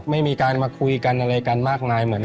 ไม่มีการมาคุยกันอะไรกันมากมายเหมือนกัน